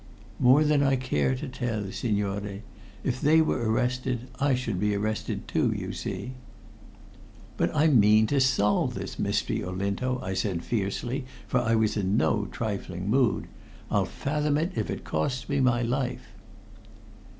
"More than I care to tell, signore. If they were arrested I should be arrested, too, you see." "But I mean to solve this mystery, Olinto," I said fiercely, for I was in no trifling mood. "I'll fathom it if it costs me my life."